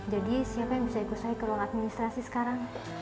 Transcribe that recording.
jadi siapa yang bisa ikut saya ke ruang administrasi sekarang